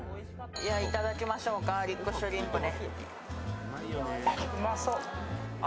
いただきましょうガーリックシュリンプね。